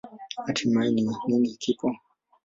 Hatimaye, nini kipo?